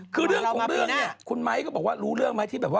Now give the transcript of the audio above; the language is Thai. คือเรื่องของเรื่องนี้